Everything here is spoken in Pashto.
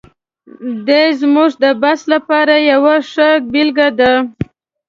دی زموږ د بحث لپاره یوه ښه بېلګه ده.